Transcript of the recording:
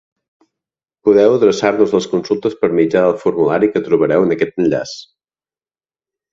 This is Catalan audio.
Podeu adreçar-nos les consultes per mitjà del formulari que trobareu en aquest enllaç.